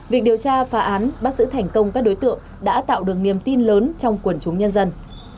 việc điều tra phá án bắt giữ thành công các đối tượng đã tạo được niềm tin lớn trong quần chúng nhân dân